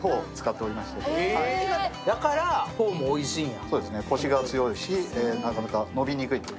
だからフォーもおいしいんや。